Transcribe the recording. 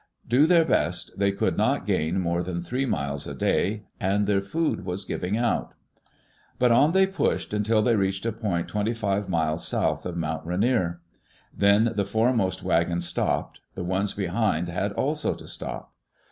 Do their best, they could not gain more than three miles a day, and their food was giving out. But on they pushed until they reached a point twenty five miles south of Mount Rainier. Then the foremost wagon stopped; the ones behind had also to stop.